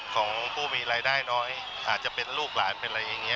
ของผู้มีรายได้น้อยอาจจะเป็นลูกหลานเป็นอะไรอย่างนี้